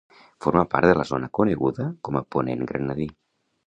Forma part de la zona coneguda com a Ponent Granadí.